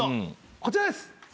こちらです。